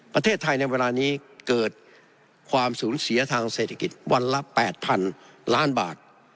ประเทศไทยในเวลานี้เกิดความสูญเสียทางเศรษฐกิจวันละ๘๐๐๐ล้านบาท